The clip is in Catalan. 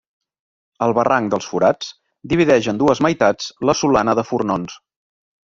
El barranc dels Forats divideix en dues meitats la Solana de Fornons.